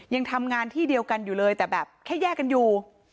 ยังทำงานที่เดียวกันอยู่เลยแต่แบบแค่แยกกันอยู่